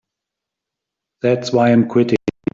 That's why I'm quitting.